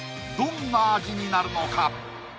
どんな味になるのか？